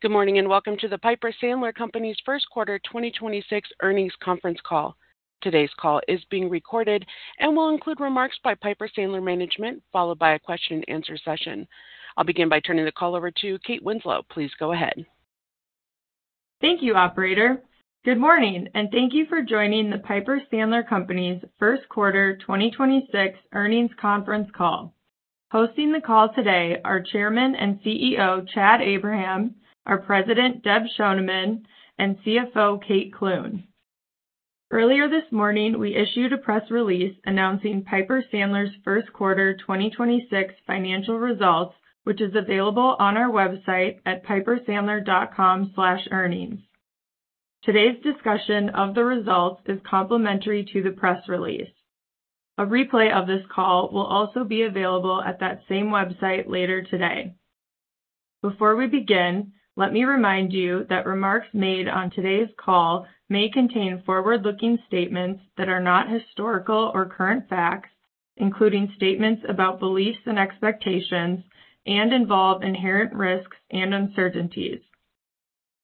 Good morning, welcome to the Piper Sandler Companies' first quarter 2026 earnings conference call. Today's call is being recorded and will include remarks by Piper Sandler management, followed by a question-and-answer session. I'll begin by turning the call over to Kate Winslow. Please go ahead. Thank you, operator. Good morning, and thank you for joining the Piper Sandler Companies' first quarter 2026 earnings conference call. Hosting the call today are Chairman and CEO, Chad Abraham, our President, Deb Schoneman, and CFO, Kate Clune. Earlier this morning, we issued a press release announcing Piper Sandler's first quarter 2026 financial results, which is available on our website at pipersandler.com/earnings. Today's discussion of the results is complementary to the press release. A replay of this call will also be available at that same website later today. Before we begin, let me remind you that remarks made on today's call may contain forward-looking statements that are not historical or current facts, including statements about beliefs and expectations and involve inherent risks and uncertainties.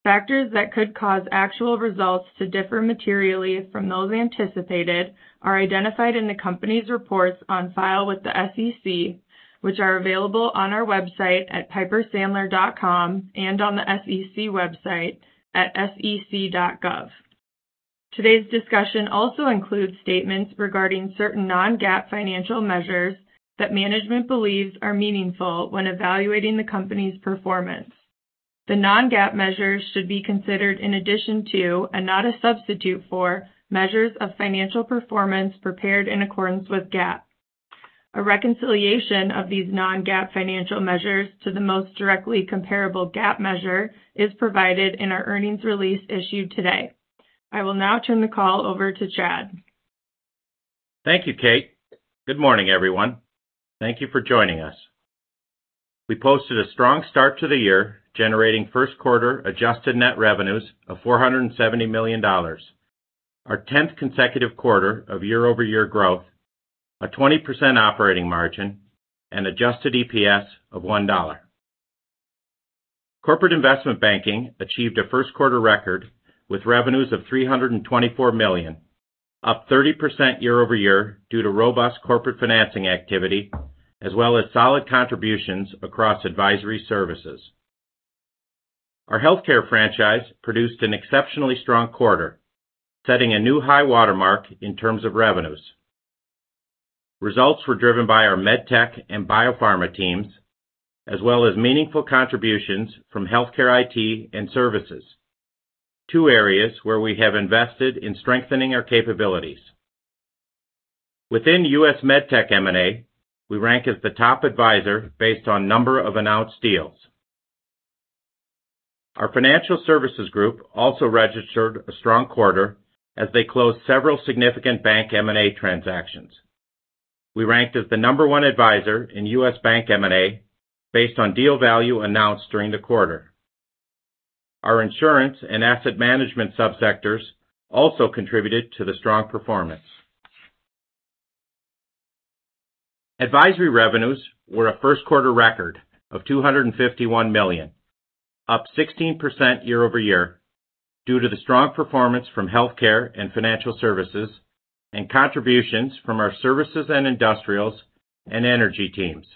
Factors that could cause actual results to differ materially from those anticipated are identified in the company's reports on file with the SEC, which are available on our website at pipersandler.com and on the SEC website at sec.gov. Today's discussion also includes statements regarding certain non-GAAP financial measures that management believes are meaningful when evaluating the company's performance. The non-GAAP measures should be considered in addition to, and not a substitute for, measures of financial performance prepared in accordance with GAAP. A reconciliation of these non-GAAP financial measures to the most directly comparable GAAP measure is provided in our earnings release issued today. I will now turn the call over to Chad. Thank you, Kate. Good morning, everyone. Thank you for joining us. We posted a strong start to the year, generating first quarter adjusted net revenues of $470 million, our 10th consecutive quarter of year-over-year growth, a 20% operating margin, and adjusted EPS of $1. Corporate investment banking achieved a first quarter record with revenues of $324 million, up 30% year-over-year due to robust corporate financing activity as well as solid contributions across advisory services. Our healthcare franchise produced an exceptionally strong quarter, setting a new high watermark in terms of revenues. Results were driven by our MedTech and biopharma teams, as well as meaningful contributions from healthcare IT and services, two areas where we have invested in strengthening our capabilities. Within U.S. MedTech M&A, we rank as the top advisor based on number of announced deals. Our financial services group also registered a strong quarter as they closed several significant bank M&A transactions. We ranked as the number one advisor in U.S. bank M&A based on deal value announced during the quarter. Our insurance and asset management subsectors also contributed to the strong performance. Advisory revenues were a first quarter record of $251 million, up 16% year-over-year due to the strong performance from healthcare and financial services and contributions from our services and industrials and energy teams.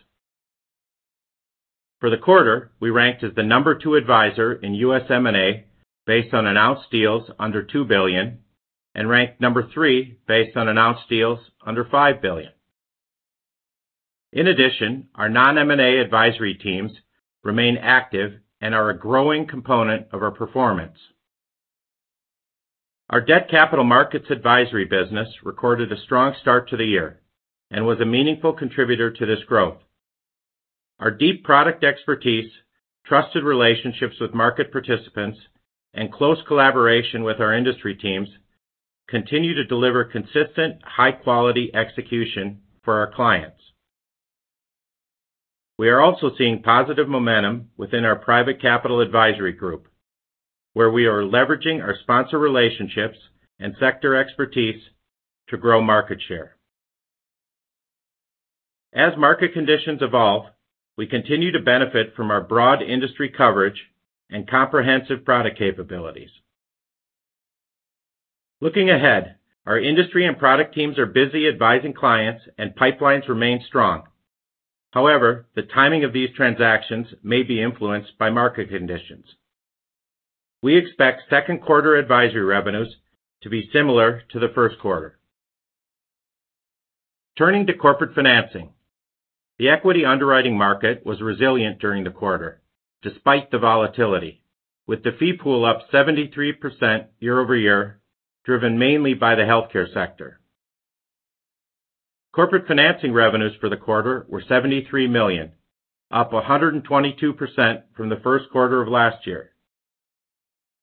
For the quarter, we ranked as the number two advisor in U.S. M&A based on announced deals under $2 billion and ranked number three based on announced deals under $5 billion. In addition, our non-M&A advisory teams remain active and are a growing component of our performance. Our debt capital markets advisory business recorded a strong start to the year and was a meaningful contributor to this growth. Our deep product expertise, trusted relationships with market participants, and close collaboration with our industry teams continue to deliver consistent high-quality execution for our clients. We are also seeing positive momentum within our private capital advisory group, where we are leveraging our sponsor relationships and sector expertise to grow market share. As market conditions evolve, we continue to benefit from our broad industry coverage and comprehensive product capabilities. Looking ahead, our industry and product teams are busy advising clients and pipelines remain strong. However, the timing of these transactions may be influenced by market conditions. We expect second quarter advisory revenues to be similar to the first quarter. Turning to corporate financing, the equity underwriting market was resilient during the quarter, despite the volatility, with the fee pool up 73% year-over-year, driven mainly by the healthcare sector. Corporate financing revenues for the quarter were $73 million, up 122% from the first quarter of last year.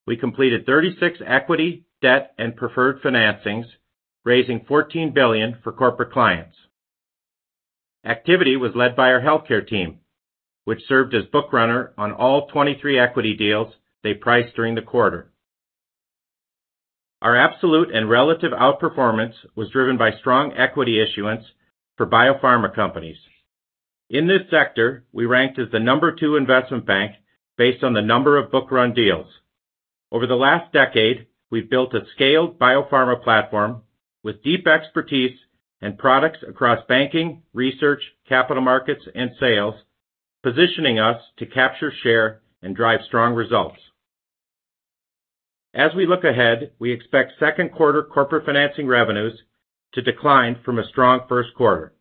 We completed 36 equity, debt, and preferred financings, raising $14 billion for corporate clients. Activity was led by our healthcare team, which served as book runner on all 23 equity deals they priced during the quarter. Our absolute and relative outperformance was driven by strong equity issuance for biopharma companies. In this sector, we ranked as the number two investment bank based on the number of book-run deals. Over the last decade, we've built a scaled biopharma platform with deep expertise and products across banking, research, capital markets, and sales, positioning us to capture share and drive strong results. As we look ahead, we expect second quarter corporate financing revenues to decline from a strong first quarter.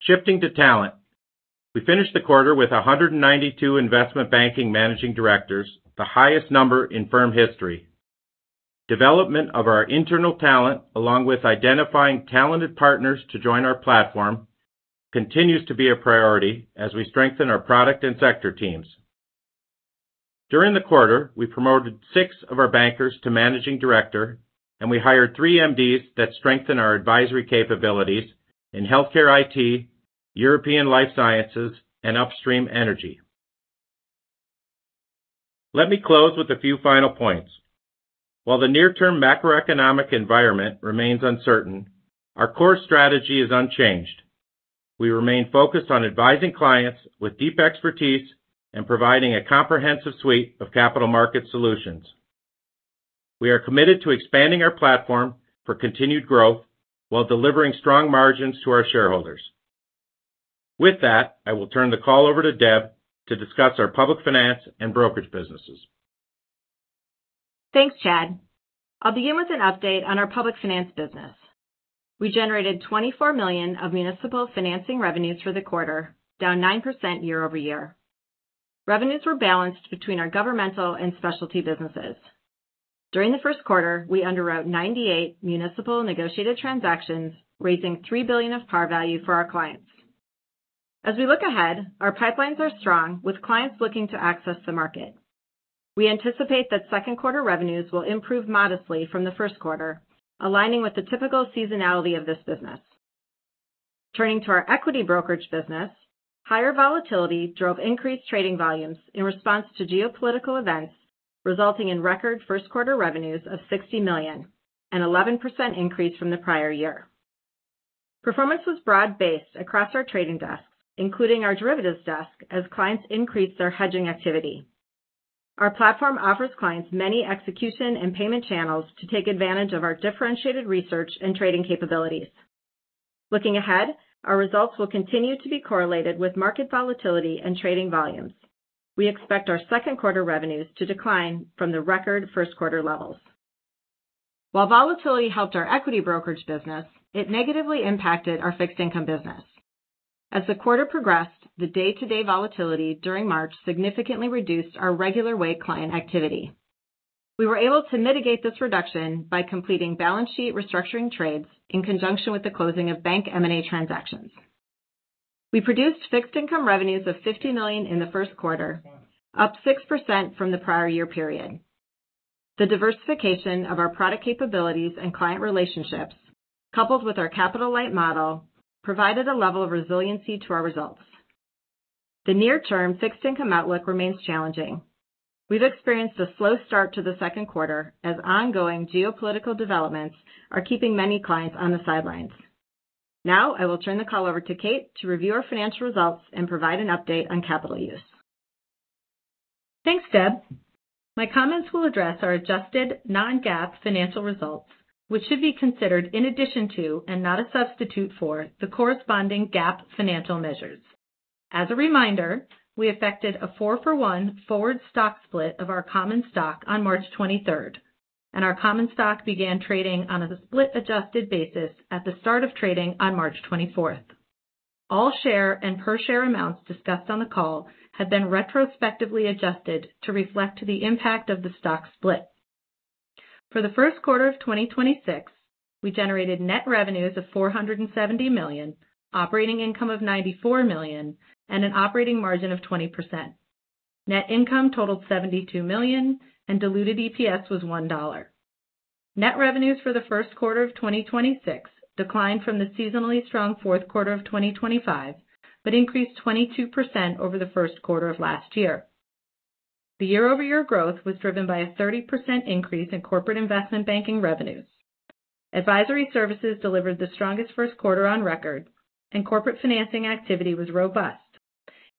Shifting to talent, we finished the quarter with 192 investment banking managing directors, the highest number in firm history. Development of our internal talent, along with identifying talented partners to join our platform, continues to be a priority as we strengthen our product and sector teams. During the quarter, we promoted six of our bankers to managing director, and we hired three MDs that strengthen our advisory capabilities in healthcare IT, European life sciences, and upstream energy. Let me close with a few final points. While the near-term macroeconomic environment remains uncertain, our core strategy is unchanged. We remain focused on advising clients with deep expertise and providing a comprehensive suite of capital market solutions. We are committed to expanding our platform for continued growth while delivering strong margins to our shareholders. With that, I will turn the call over to Deb to discuss our public finance and brokerage businesses. Thanks, Chad. I'll begin with an update on our public finance business. We generated $24 million of municipal financing revenues for the quarter, down 9% year-over-year. Revenues were balanced between our governmental and specialty businesses. During the first quarter, we underwrote 98 municipal negotiated transactions, raising $3 billion of par value for our clients. As we look ahead, our pipelines are strong with clients looking to access the market. We anticipate that second quarter revenues will improve modestly from the first quarter, aligning with the typical seasonality of this business. Turning to our equity brokerage business, higher volatility drove increased trading volumes in response to geopolitical events, resulting in record first quarter revenues of $60 million, an 11% increase from the prior year. Performance was broad-based across our trading desks, including our derivatives desk as clients increased their hedging activity. Our platform offers clients many execution and payment channels to take advantage of our differentiated research and trading capabilities. Looking ahead, our results will continue to be correlated with market volatility and trading volumes. We expect our second quarter revenues to decline from the record first quarter levels. While volatility helped our equity brokerage business, it negatively impacted our fixed income business. As the quarter progressed, the day-to-day volatility during March significantly reduced our regular-way client activity. We were able to mitigate this reduction by completing balance sheet restructuring trades in conjunction with the closing of bank M&A transactions. We produced fixed income revenues of $50 million in the first quarter, up 6% from the prior year period. The diversification of our product capabilities and client relationships, coupled with our capital-light model, provided a level of resiliency to our results. The near-term fixed income outlook remains challenging. We've experienced a slow start to the second quarter as ongoing geopolitical developments are keeping many clients on the sidelines. Now, I will turn the call over to Kate to review our financial results and provide an update on capital use. Thanks, Deb. My comments will address our adjusted non-GAAP financial results, which should be considered in addition to and not a substitute for the corresponding GAAP financial measures. As a reminder, we effected a four-for-one forward stock split of our common stock on March 23rd, and our common stock began trading on a split-adjusted basis at the start of trading on March 24th. All share and per share amounts discussed on the call have been retrospectively adjusted to reflect the impact of the stock split. For the first quarter of 2026, we generated net revenues of $470 million, operating income of $94 million, and an operating margin of 20%. Net income totaled $72 million, and diluted EPS was $1. Net revenues for the first quarter of 2026 declined from the seasonally strong fourth quarter of 2025 but increased 22% over the first quarter of last year. The year-over-year growth was driven by a 30% increase in corporate investment banking revenues. Advisory services delivered the strongest first quarter on record, and corporate financing activity was robust.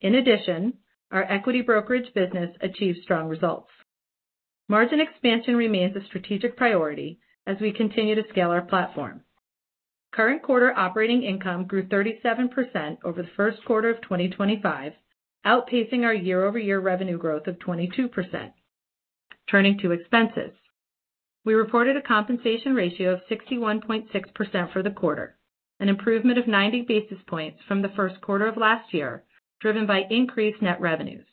In addition, our equity brokerage business achieved strong results. Margin expansion remains a strategic priority as we continue to scale our platform. Current quarter operating income grew 37% over the first quarter of 2025, outpacing our year-over-year revenue growth of 22%. Turning to expenses. We reported a compensation ratio of 61.6% for the quarter, an improvement of 90 basis points from the first quarter of last year, driven by increased net revenues.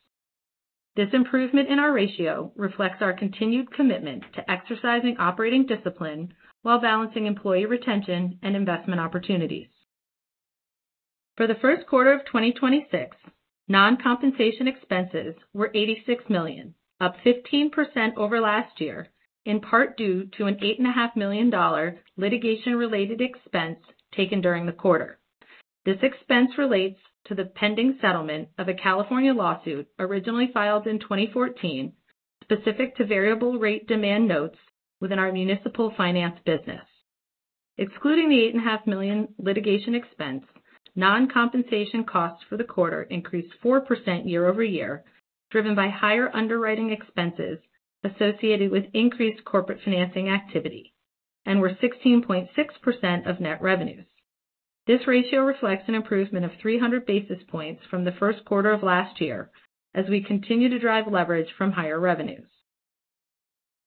This improvement in our ratio reflects our continued commitment to exercising operating discipline while balancing employee retention and investment opportunities. For the first quarter of 2026, non-compensation expenses were $86 million, up 15% over last year, in part due to an $8.5 million litigation-related expense taken during the quarter. This expense relates to the pending settlement of a California lawsuit originally filed in 2014 specific to variable rate demand notes within our municipal finance business. Excluding the $8.5 million litigation expense, non-compensation costs for the quarter increased 4% year-over-year, driven by higher underwriting expenses associated with increased corporate financing activity and were 16.6% of net revenues. This ratio reflects an improvement of 300 basis points from the first quarter of last year as we continue to drive leverage from higher revenues.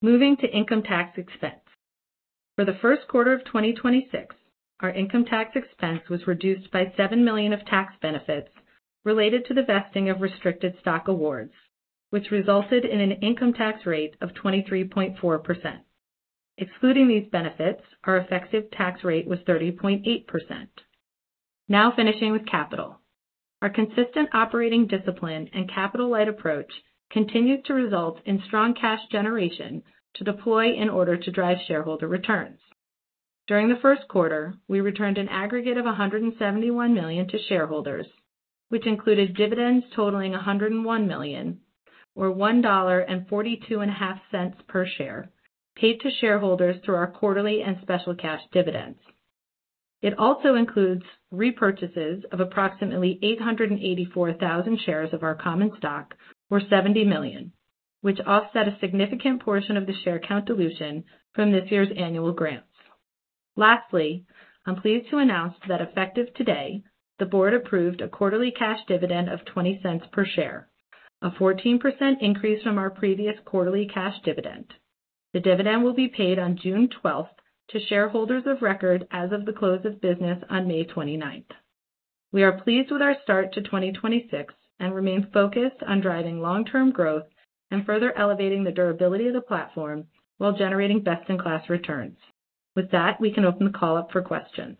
Moving to income tax expense. For the first quarter of 2026, our income tax expense was reduced by $7 million of tax benefits related to the vesting of restricted stock awards, which resulted in an income tax rate of 23.4%. Excluding these benefits, our effective tax rate was 30.8%. Finishing with capital. Our consistent operating discipline and capital-light approach continued to result in strong cash generation to deploy in order to drive shareholder returns. During the first quarter, we returned an aggregate of $171 million to shareholders, which included dividends totaling $101 million, or $1.425 per share, paid to shareholders through our quarterly and special cash dividends. It also includes repurchases of approximately 884,000 shares of our common stock, or $70 million, which offset a significant portion of the share count dilution from this year's annual grants. Lastly, I'm pleased to announce that effective today, the board approved a quarterly cash dividend of $0.20 per share, a 14% increase from our previous quarterly cash dividend. The dividend will be paid on June 12th to shareholders of record as of the close of business on May 29th. We are pleased with our start to 2026 and remain focused on driving long-term growth and further elevating the durability of the platform while generating best-in-class returns. With that, we can open the call up for questions.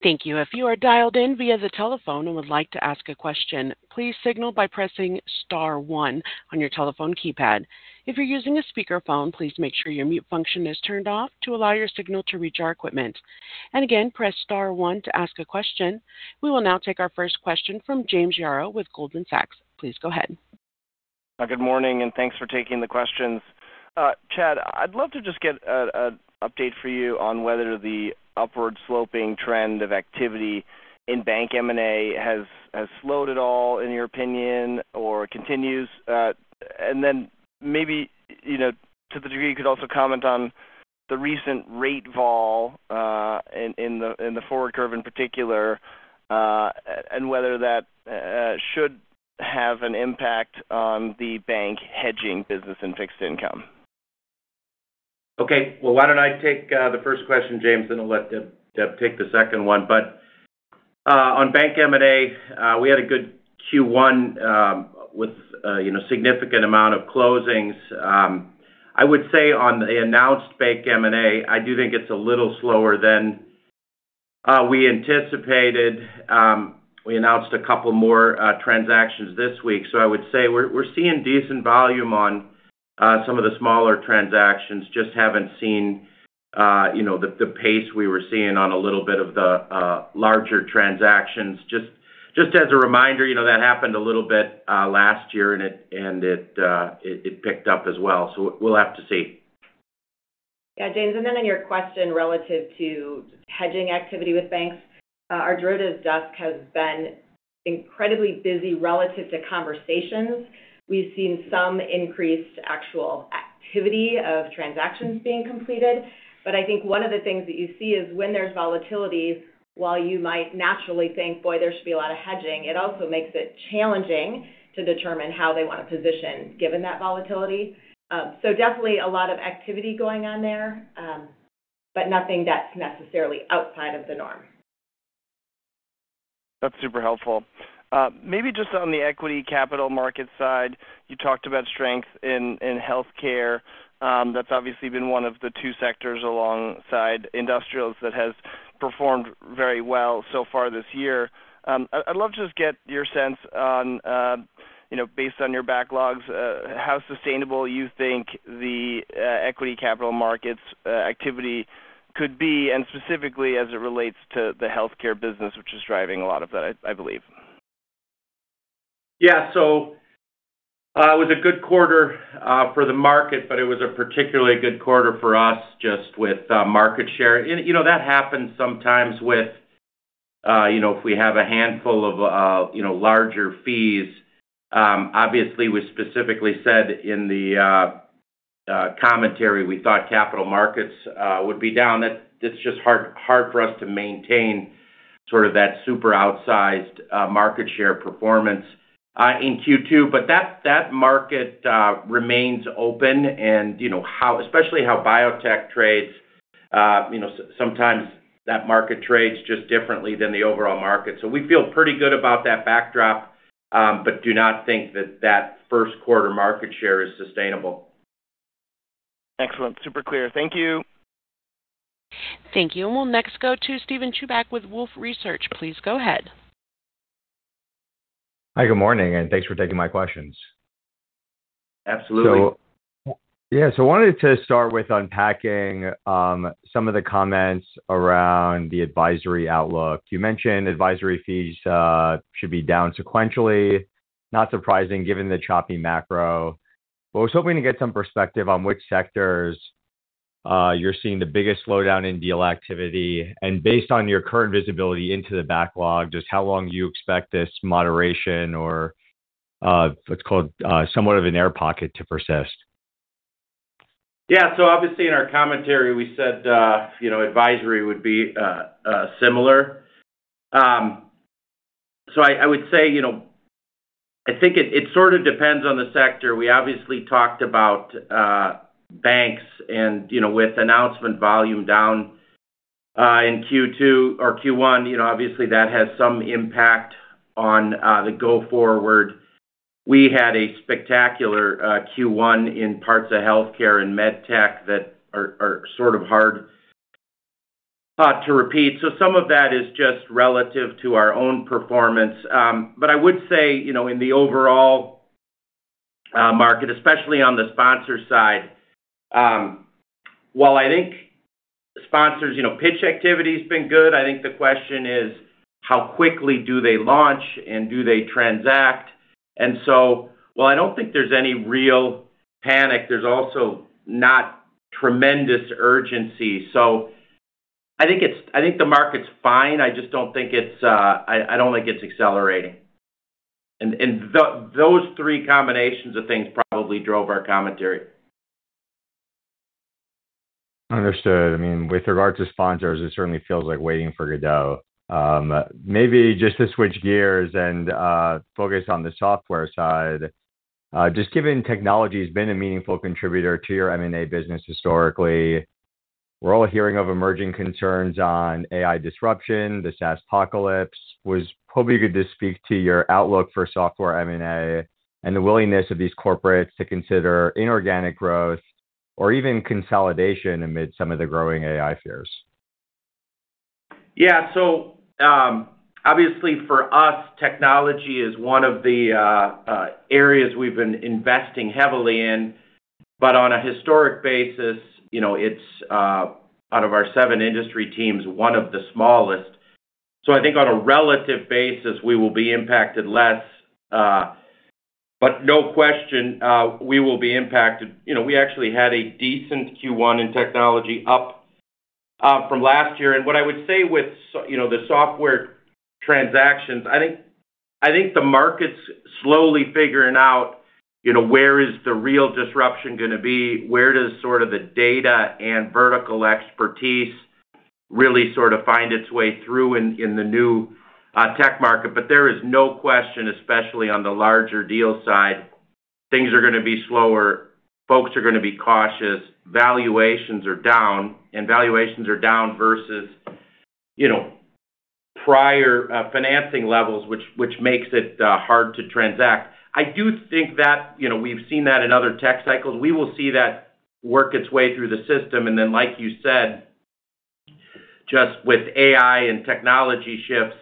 Thank you. If you are dialed in via the telephone and would like to ask a question, please signal by pressing star one on your telephone keypad. If you're using a speakerphone, please make sure your mute function is turned off to allow your signal to reach our equipment. Again, press star one to ask a question. We will now take our first question from James Yaro with Goldman Sachs. Please go ahead. Good morning, and thanks for taking the questions. Chad, I'd love to just get a update for you on whether the upward sloping trend of activity in bank M&A has slowed at all in your opinion or continues. Then maybe, you know, to the degree you could also comment on the recent rate vol in the forward curve in particular, and whether that should have an impact on the bank hedging business and fixed income? Okay. Well, why don't I take the first question, James, and I'll let Deb take the second one. On bank M&A, we had a good Q1, with, you know, significant amount of closings. I would say on the announced bank M&A, I do think it's a little slower than we anticipated. We announced a couple more transactions this week. I would say we're seeing decent volume on some of the smaller transactions. Just haven't seen, you know, the pace we were seeing on a little bit of the larger transactions. Just as a reminder, you know, that happened a little bit last year, and it, and it picked up as well. We'll have to see. James, and then on your question relative to hedging activity with banks, our derivatives desk has been incredibly busy relative to conversations. We've seen some increased actual activity of transactions being completed. I think one of the things that you see is when there's volatility, while you might naturally think, "Boy, there should be a lot of hedging," it also makes it challenging to determine how they want to position given that volatility. Definitely a lot of activity going on there, but nothing that's necessarily outside of the norm. That's super helpful. Maybe just on the equity capital market side, you talked about strength in healthcare. That's obviously been one of the two sectors alongside industrials that has performed very well so far this year. I'd love to just get your sense on, you know, based on your backlogs, how sustainable you think the equity capital markets activity could be, and specifically as it relates to the healthcare business, which is driving a lot of that, I believe. It was a good quarter for the market, but it was a particularly good quarter for us just with market share. You know, that happens sometimes with, you know, if we have a handful of, you know, larger fees. Obviously, we specifically said in the commentary we thought capital markets would be down. It's just hard for us to maintain sort of that super outsized market share performance in Q2. That market remains open and, you know, especially how biotech trades, you know, sometimes that market trades just differently than the overall market. We feel pretty good about that backdrop, but do not think that first quarter market share is sustainable. Excellent. Super clear. Thank you. Thank you. We'll next go to Steven Chubak with Wolfe Research. Please go ahead. Hi, good morning, and thanks for taking my questions. Absolutely. Yeah, I wanted to start with unpacking some of the comments around the advisory outlook. You mentioned advisory fees should be down sequentially. Not surprising, given the choppy macro. I was hoping to get some perspective on which sectors you're seeing the biggest slowdown in deal activity, and based on your current visibility into the backlog, just how long do you expect this moderation or, what's it called, somewhat of an air pocket to persist? Yeah. Obviously in our commentary, we said, you know, advisory would be similar. I would say, you know, it sort of depends on the sector. We obviously talked about banks and, you know, with announcement volume down in Q2 or Q1, you know, obviously that has some impact on the go forward. We had a spectacular Q1 in parts of healthcare and MedTech that are sort of hard to repeat. Some of that is just relative to our own performance. I would say, you know, in the overall market, especially on the sponsor side, while I think sponsors, you know, pitch activity's been good, I think the question is how quickly do they launch and do they transact? While I don't think there's any real panic, there's also not tremendous urgency. I think the market's fine. I just don't think it's, I don't think it's accelerating. Those three combinations of things probably drove our commentary. Understood. I mean, with regard to sponsors, it certainly feels like waiting for Godot. Maybe just to switch gears and focus on the software side. Just given technology's been a meaningful contributor to your M&A business historically, we're all hearing of emerging concerns on AI disruption. The SaaSpocalypse. Was probably good to speak to your outlook for software M&A and the willingness of these corporates to consider inorganic growth or even consolidation amid some of the growing AI fears. Yeah. Obviously for us, technology is one of the areas we've been investing heavily in, but on a historic basis, you know, it's out of our seven industry teams, one of the smallest. I think on a relative basis, we will be impacted less. But no question, we will be impacted. You know, we actually had a decent Q1 in technology up from last year. What I would say with you know, the software transactions, I think the market's slowly figuring out, you know, where is the real disruption gonna be. Where does sort of the data and vertical expertise really sort of find its way through in the new tech market. There is no question, especially on the larger deal side, things are gonna be slower. Folks are gonna be cautious. Valuations are down, valuations are down versus, you know, prior financing levels, which makes it hard to transact. I do think that, you know, we've seen that in other tech cycles. We will see that work its way through the system. Then, like you said, just with AI and technology shifts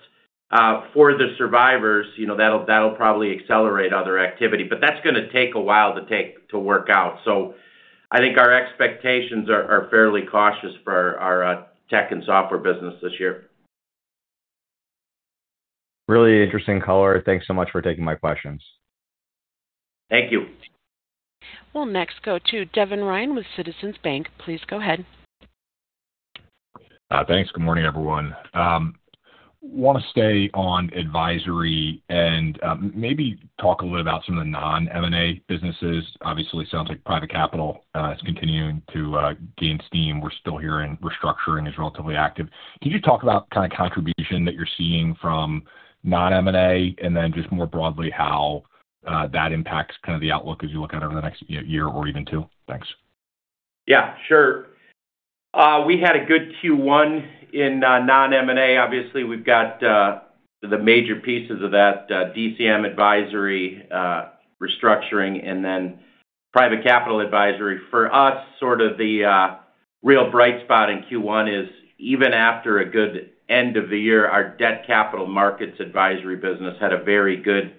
for the survivors, you know, that'll probably accelerate other activity. That's gonna take a while to work out. I think our expectations are fairly cautious for our tech and software business this year. Really interesting color. Thanks so much for taking my questions. Thank you. We'll next go to Devin Ryan with Citizens Bank. Please go ahead. Thanks. Good morning, everyone. Wanna stay on advisory and maybe talk a little about some of the non-M&A businesses. Obviously, sounds like private capital is continuing to gain steam. We're still hearing restructuring is relatively active. Could you talk about kinda contribution that you're seeing from non-M&A, and then just more broadly, how that impacts kind of the outlook as you look out over the next year or even two? Thanks. Yeah, sure. We had a good Q1 in non-M&A. Obviously, we've got the major pieces of that, DCM advisory, restructuring and then private capital advisory. For us, sort of the real bright spot in Q1 is even after a good end of the year, our debt capital markets advisory business had a very good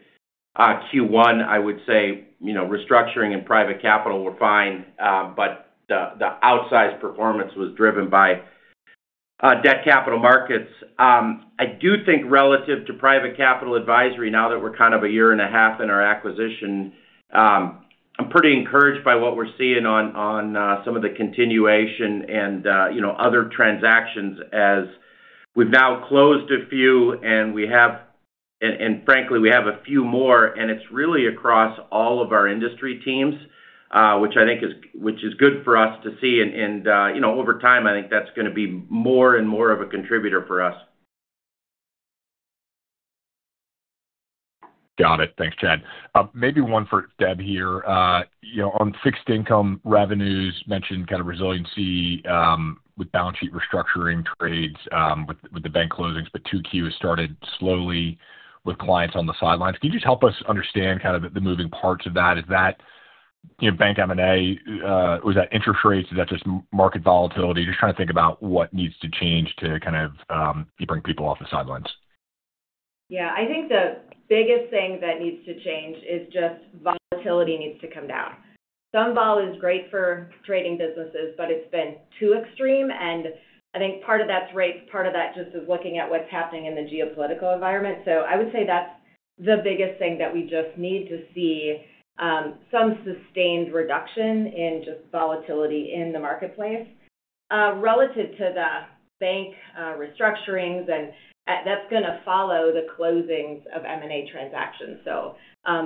Q1. I would say, you know, restructuring and private capital were fine, but the outsized performance was driven by debt capital markets. I do think relative to private capital advisory, now that we're kind of a year and a half in our acquisition, I'm pretty encouraged by what we're seeing on some of the continuation and, you know, other transactions as we've now closed a few and frankly, we have a few more, and it's really across all of our industry teams, which is good for us to see. You know, over time, I think that's gonna be more and more of a contributor for us. Got it. Thanks, Chad. Maybe one for Deb here. You know, on fixed income revenues, mentioned kind of resiliency with balance sheet restructuring trades, with the bank closings, but 2Q has started slowly with clients on the sidelines. Can you just help us understand kind of the moving parts of that? Is that, you know, bank M&A? Was that interest rates? Is that just market volatility? Just trying to think about what needs to change to kind of bring people off the sidelines. I think the biggest thing that needs to change is just volatility needs to come down. Some vol is great for trading businesses, but it's been too extreme, and I think part of that's rates, part of that just is looking at what's happening in the geopolitical environment. I would say that's the biggest thing that we just need to see some sustained reduction in just volatility in the marketplace, relative to the bank restructurings and that's going to follow the closings of M&A transactions.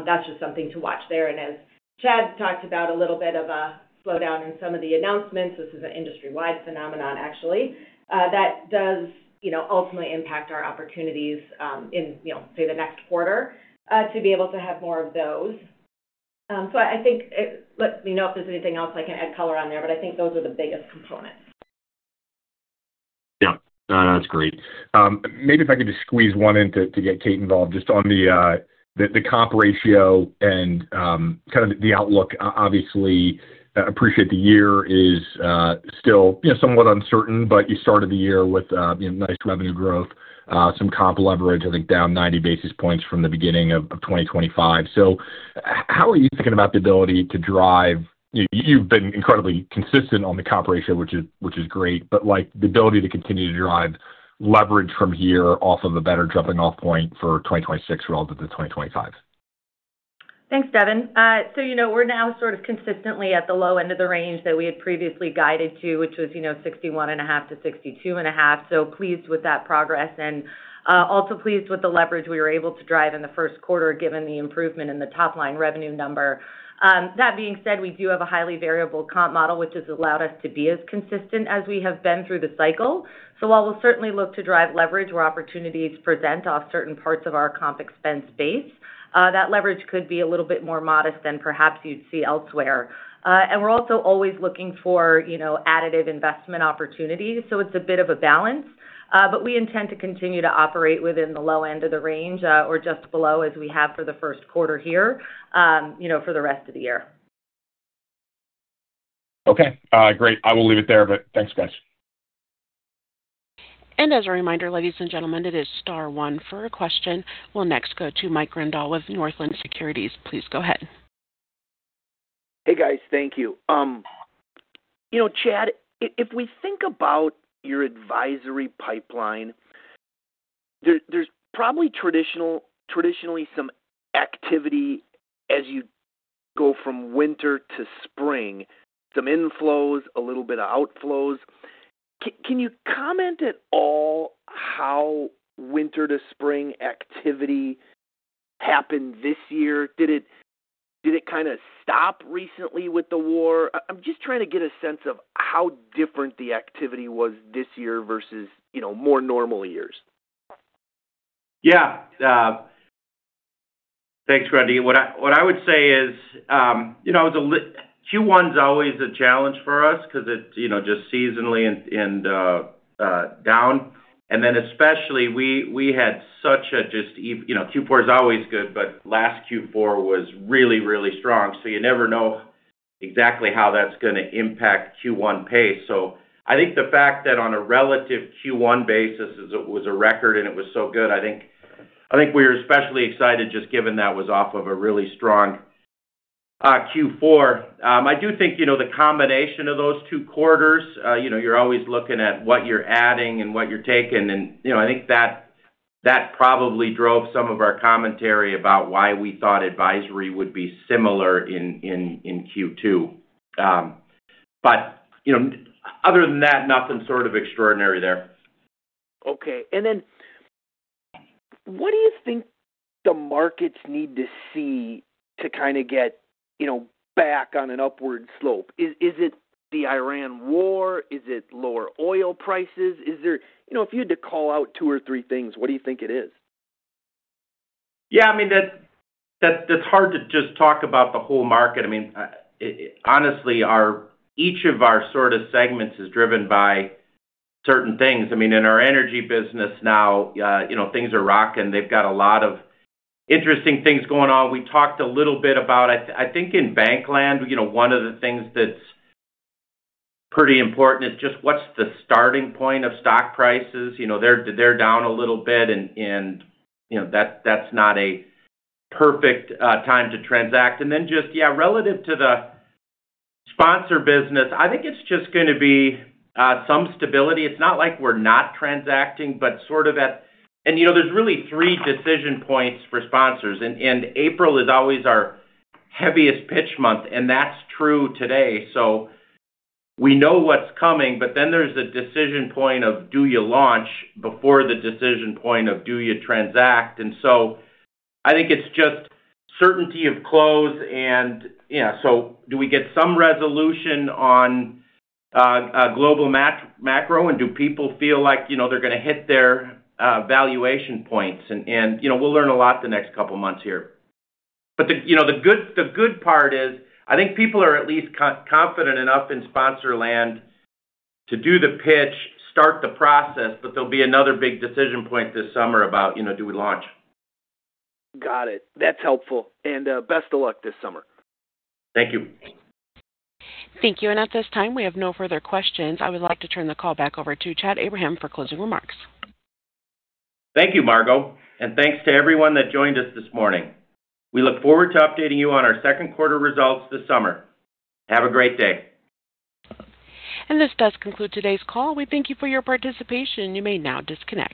That's just something to watch there. As Chad talked about a little bit of a slowdown in some of the announcements, this is an industry-wide phenomenon actually. That does, you know, ultimately impact our opportunities in, you know, say the next quarter to be able to have more of those. Let me know if there's anything else I can add color on there, but I think those are the biggest components. No, that's great. Maybe if I could just squeeze one in to get Kate involved just on the comp ratio and kind of the outlook. Obviously, appreciate the year is still, you know, somewhat uncertain, but you started the year with, you know, nice revenue growth, some comp leverage, I think down 90 basis points from the beginning of 2025. How are you thinking about the ability to drive? You've been incredibly consistent on the comp ratio, which is, which is great, but, like, the ability to continue to drive leverage from here off of a better jumping-off point for 2026 relative to 2025. Thanks, Devin. You know, we're now sort of consistently at the low end of the range that we had previously guided to, which was, you know, 61.5-62.5, pleased with that progress and also pleased with the leverage we were able to drive in the first quarter given the improvement in the top-line revenue number. That being said, we do have a highly variable comp model, which has allowed us to be as consistent as we have been through the cycle. While we'll certainly look to drive leverage where opportunities present off certain parts of our comp expense base, that leverage could be a little bit more modest than perhaps you'd see elsewhere. We're also always looking for, you know, additive investment opportunities, it's a bit of a balance. We intend to continue to operate within the low end of the range, or just below as we have for the first quarter here, you know, for the rest of the year. Okay. Great. I will leave it there. Thanks, guys. As a reminder, ladies and gentlemen, it is star one for a question. We'll next go to Mike Grondahl with Northland Securities. Please go ahead. Hey, guys. Thank you. You know, Chad, if we think about your advisory pipeline, there's probably traditionally some activity as you go from winter to spring, some inflows, a little bit of outflows. Can you comment at all how winter to spring activity happened this year? Did it kind of stop recently with the war? I'm just trying to get a sense of how different the activity was this year versus, you know, more normal years. Thanks, Randy. What I would say is, you know, Q1's always a challenge for us 'cause it's, you know, just seasonally and down. Especially, we had such a, you know, Q4 is always good, but last Q4 was really, really strong, so you never know exactly how that's gonna impact Q1 pace. I think the fact that on a relative Q1 basis is it was a record and it was so good, I think we're especially excited just given that was off of a really strong Q4. I do think, you know, the combination of those two quarters, you know, you're always looking at what you're adding and what you're taking and, you know, I think that probably drove some of our commentary about why we thought advisory would be similar in Q2. You know, other than that, nothing sort of extraordinary there. Okay. What do you think the markets need to see to kind of get, you know, back on an upward slope? Is it the Iran war? Is it lower oil prices? Is there you know, if you had to call out two or three things, what do you think it is? Yeah, I mean, that's hard to just talk about the whole market. I mean, honestly, each of our sort of segments is driven by certain things. I mean, in our energy business now, you know, things are rocking. They've got a lot of interesting things going on. We talked a little bit about. I think in bank land, you know, one of the things that's pretty important is just what's the starting point of stock prices. You know, they're down a little bit and, you know, that's not a perfect time to transact. Just, yeah, relative to the sponsor business, I think it's just gonna be some stability. It's not like we're not transacting, but sort of at. You know, there's really three decision points for sponsors. April is always our heaviest pitch month, and that's true today. We know what's coming, but then there's the decision point of do you launch before the decision point of do you transact? I think it's just certainty of close and, you know. Do we get some resolution on global macro, and do people feel like, you know, they're gonna hit their valuation points? You know, we'll learn a lot the next couple months here. The, you know, the good part is I think people are at least confident enough in sponsor land to do the pitch, start the process, but there'll be another big decision point this summer about, you know, do we launch. Got it. That's helpful. Best of luck this summer. Thank you Thank you. At this time, we have no further questions. I would like to turn the call back over to Chad Abraham for closing remarks. Thank you, Margo. Thanks to everyone that joined us this morning. We look forward to updating you on our second quarter results this summer. Have a great day. This does conclude today's call. We thank you for your participation. You may now disconnect.